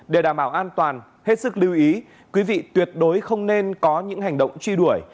để đảm bảo an toàn hết sức lưu ý quý vị tuyệt đối không nên có những hành động truy đuổi